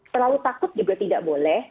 terlalu takut juga tidak boleh